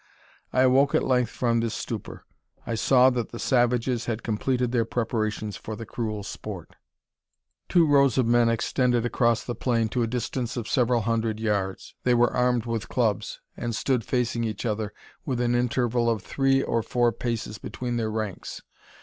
I awoke at length from this stupor. I saw that the savages had completed their preparations for the cruel sport. Two rows of men extended across the plain to a distance of several hundred yards. They were armed with clubs, and stood facing each other with an interval of three or four paces between their ranks.